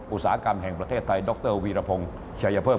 อุตสาหกรรมแห่งประเทศไทยดรวีรพงศ์ชัยเพิ่ม